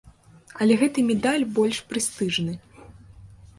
Але гэты медаль больш прэстыжны.